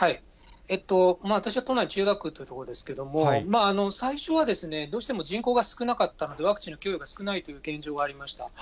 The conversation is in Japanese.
私は都内、千代田区という所ですけれども、最初はどうしても人口が少なかったので、ワクチンの供与が少ないという現状がありました。